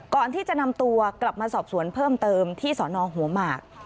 ก่อนที่จะนำตัวกลับมาสอบสวนเพิ่มเติมที่สนหัวหมาก